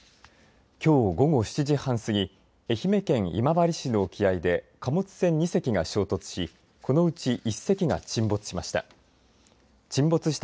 きょう午後７時半過ぎ愛媛県今治市の沖合で貨物船２隻が衝突しこのうち１隻が沈没しました。